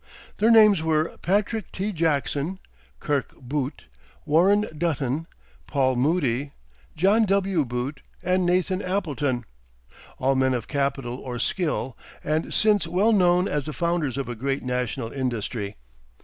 Their names were Patrick T. Jackson, Kirk Boott, Warren Dutton, Paul Moody, John W. Boott, and Nathan Appleton; all men of capital or skill, and since well known as the founders of a great national industry.